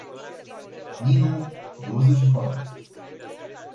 Ninu, douăzeci și patru.